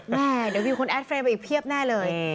แม่เดี๋ยววิวคุณแอดเรย์ไปอีกเพียบแน่เลย